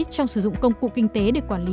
trong sử dụng công cụ kinh tế để quản lý